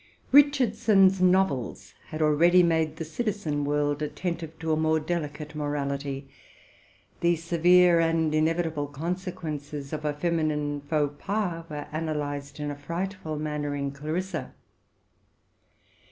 Richardson's novels had already made the middle classes attentive to a more delicate morality. The severe and inevit able consequences of a feminine faux pas were analyzed in a frightful manner in '' Clarissa.